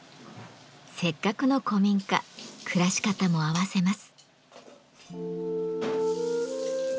せっかくの古民家暮らし方も合わせます。